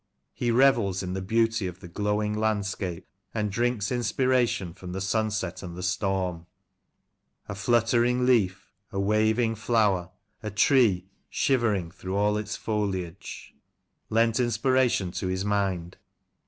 He revels in the beauty of the glowing landscape, and drinks inspiration from the sunset and the storm. '* A fluttering leaf, a waving flower, a tree Shivering through all its foliage,'' lent inspiration to his mind.